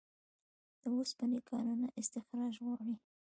د اوسپنې کانونه استخراج غواړي